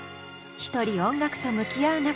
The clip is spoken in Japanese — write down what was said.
一人音楽と向き合う中